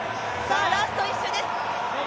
ラスト１周です。